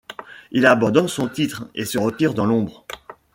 Il abandonne son titre, et se retire dans l'ombre.